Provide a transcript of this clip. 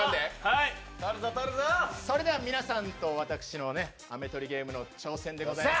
それでは皆さんと私の飴取りゲームの挑戦でございます。